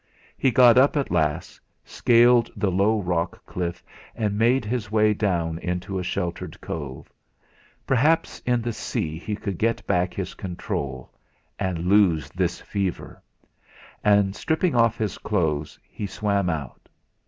He got up at last, scaled the low rock cliff, and made his way down into a sheltered cove. Perhaps in the sea he could get back his control lose this fever! And stripping off his clothes, he swam out.